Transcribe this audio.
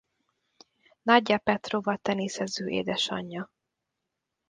Nagyja Petrova teniszező édesanyja.